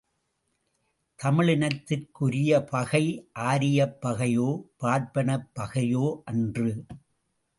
தமிழினத்திற்குரிய பகை ஆரியப்பகையோ பார்ப்பனப் பகையோ அன்று.